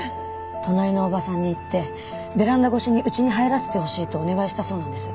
隣のおばさんに言ってベランダ越しにうちに入らせてほしいとお願いしたそうなんです。